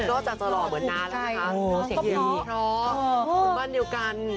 โอ้โฮเป็นบ้านเดียวกัน